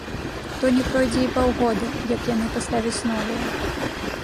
То не пройдзе і паўгода, як яны паставяць новыя.